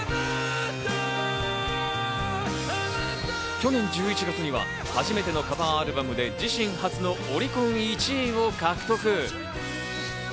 去年１１月には初めてのカバーアルバムで自身初のオリコン１位を獲得。